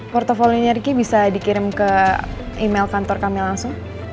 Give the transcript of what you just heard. portofolinya riki bisa dikirim ke email kantor kami langsung